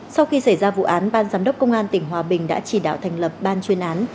sau khi xảy ra vụ án ban giám đốc công an tỉnh hòa bình đã chỉ đạo thành lập ban chuyên án